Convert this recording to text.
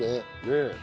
ねえ。